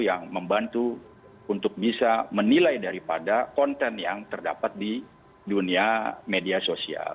yang membantu untuk bisa menilai daripada konten yang terdapat di dunia media sosial